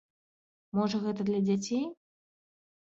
Можа, гэта для дзяцей?